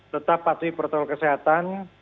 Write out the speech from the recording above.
tetap patuhi protokol kesehatan